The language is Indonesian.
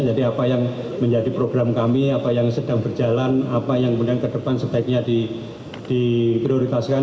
jadi apa yang menjadi program kami apa yang sedang berjalan apa yang ke depan sebaiknya diprioritaskan